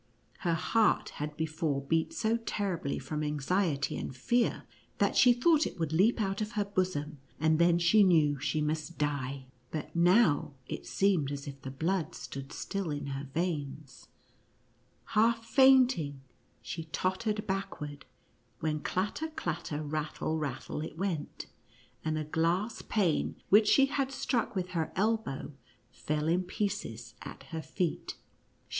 Her heart had before beat so terribly from anxiety and fear, that she thought it would leap out of her bosom, and then she knew she must die ; but now it seemed as if the blood stood still in her veins. Half fainting, she tottered backward, when clatter — clatter — rattle — rattle it went — and a glass pane which she had struck with her elbow fell in pieces at her feet. She NUTCRACKER AND MOUSE KING.